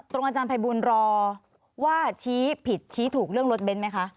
อาจารย์ภัยบูลรอว่าชี้ผิดชี้ถูกเรื่องรถเบ้นไหมคะ